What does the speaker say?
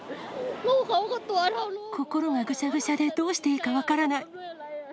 心がぐしゃぐしゃで、どうしていいか分からない。